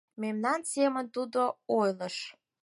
Мемнан семын тудо ойлыш